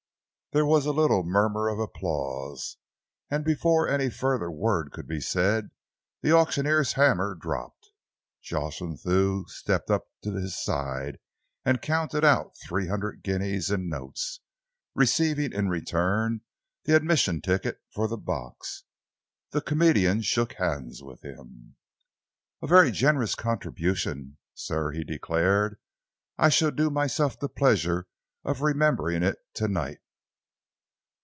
There was a little murmur of applause, and before any further word could be said, the auctioneer's hammer dropped. Jocelyn Thew stepped up to his side and counted out three hundred guineas in notes, receiving in return the admission ticket for the box. The comedian shook hands with him. "A very generous contribution, sir," he declared. "I shall do myself the pleasure of remembering it to night."